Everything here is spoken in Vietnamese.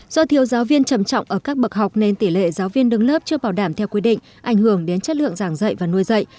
do thiếu giáo viên trầm trọng ở các bậc học nên tỷ lệ giáo viên đứng lớp chưa bảo đảm theo quy định ảnh hưởng đến chất lượng giảng dạy và nuôi dạy